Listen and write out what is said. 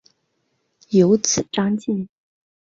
有子张缙。